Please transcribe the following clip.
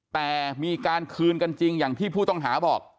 แต่มีการคืนกันจริงอย่างที่ผู้ต้องหาบอก